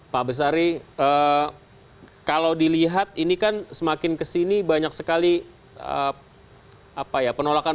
pak besari kalau dilihat ini kan semakin kesini banyak sekali penolakan